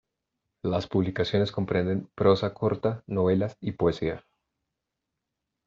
Las publicaciones comprenden prosa corta, novelas y poesía.